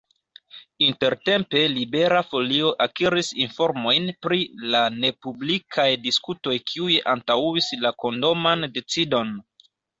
Intertempe Libera Folio akiris informojn pri la nepublikaj diskutoj kiuj antaŭis la kondoman decidon.